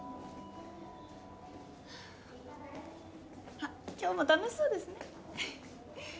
あっ今日も楽しそうですねフフッ。